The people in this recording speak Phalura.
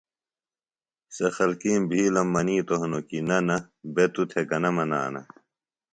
سےۡ خلکِیم بِھیلم منِیتوۡ ہِنوۡ کیۡ نہ نہ، بےۡ توۡ تھےۡ گنہ منانہ